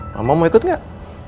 mama mau ikut gak